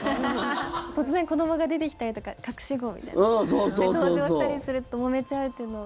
突然子どもが出てきたりとか隠し子みたいな登場したりするともめちゃうというのを。